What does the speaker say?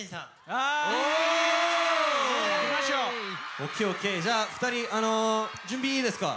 ＯＫＯＫ２人準備いいですか？